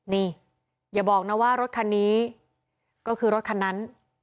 นี่อย่าบอกนะว่ารถคันนี้ก็คือรถคันนั้น